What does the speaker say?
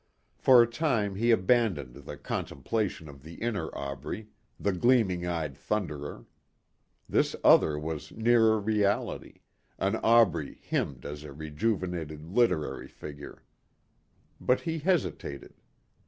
For a time he abandoned the contemplation of the inner Aubrey the gleaming eyed Thunderer. This other was nearer reality an Aubrey hymned as a rejuvenated literary figure. But he hesitated.